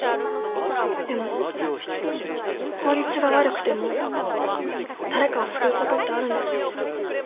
でも効率が悪くても誰かを救うことってあるんですね。